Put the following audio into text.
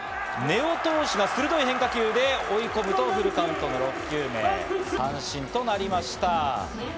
根尾投手が鋭い変化球で追い込むと、フルカウントからの６球目、三振となりました。